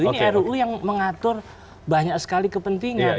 ini ruu yang mengatur banyak sekali kepentingan